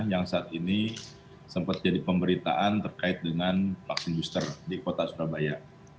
yang saat ini sempat jadi pemberitaan terkait dengan vaksin booster di kota surabaya